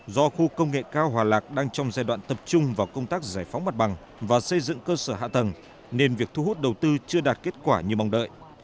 do khu công nghệ cao hòa lạc đang trong giai đoạn tập trung vào công tác giải phóng mặt bằng và xây dựng cơ sở hạ tầng nên việc thu hút đầu tư chưa đạt kết quả như mong đợi